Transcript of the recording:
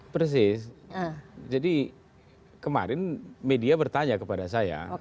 persis jadi kemarin media bertanya kepada saya